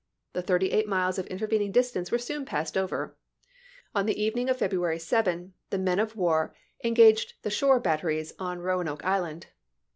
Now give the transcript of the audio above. The thirty eight miles of intervening distance were soon passed over ; on the evening of February 7 the men of war engaged the shore bat teries on Roanoke Island.